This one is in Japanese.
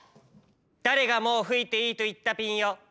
だれがもうふいていいといったピンよ。